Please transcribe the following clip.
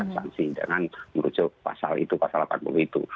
sanksi dengan merujuk pasal itu pasal delapan puluh itu